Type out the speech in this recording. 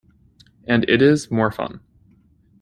And it is more fun.